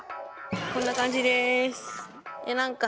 こんな感じです。